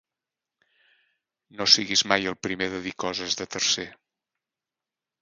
No siguis mai el primer de dir coses de tercer.